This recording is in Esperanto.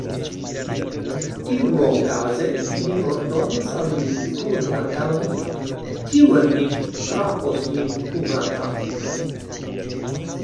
Tiuokaze ni ordonos al li kuri antaŭ ni: kiu el ni trafos lin kurantan?